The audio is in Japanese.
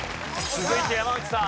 続いて山内さん。